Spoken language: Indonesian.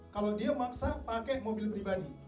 kalau dia maksa pakai mobil pribadi